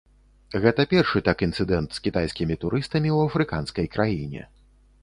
Гэта першы так інцыдэнт з кітайскімі турыстамі ў афрыканскай краіне.